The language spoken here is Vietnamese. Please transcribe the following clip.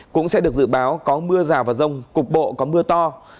cũng sẽ được dự báo có mưa rào và rông cục bộ có mưa to